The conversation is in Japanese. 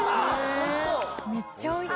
おいしそう。